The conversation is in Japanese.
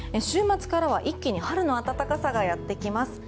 週末からは一気に春の暖かさがやってきます。